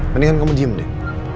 mendingan kamu diem deh